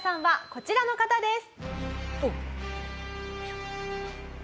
こちらの方です。